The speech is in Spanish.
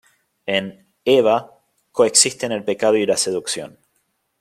En "Eva" coexisten el pecado y la seducción.